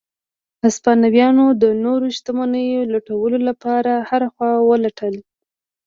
هسپانویانو د نورو شتمنیو لټولو لپاره هره خوا ولټل.